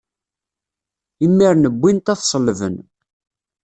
Imiren wwin-t ad t-ṣellben.